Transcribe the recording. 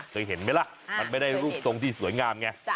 เคยเห็นไหมล่ะมันไม่ได้รูปทรงที่สวยงามไง